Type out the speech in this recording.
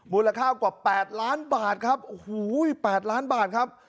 มูลค่ากว่า๘ล้านบาทครับโอ้โห๘ล้านบาทครับ